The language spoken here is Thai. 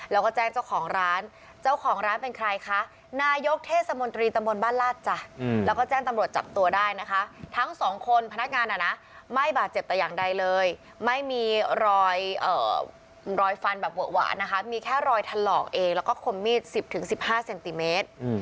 แล้วก็แจ้งเจ้าของร้านเจ้าของร้านเป็นใครคะนายกเทศมนตรีตำบลบ้านลาดจ้ะแล้วก็แจ้งตำรวจจับตัวได้นะคะทั้งสองคนพนักงานอ่ะนะไม่บาดเจ็บแต่อย่างใดเลยไม่มีรอยฟันแบบเวอะหวะนะคะมีแค่รอยถลอกเองแล้วก็คมมีด๑๐๑๕เซนติเมตร